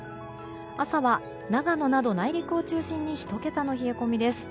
朝は、長野など内陸を中心に１桁の冷え込みです。